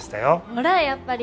ほらやっぱり。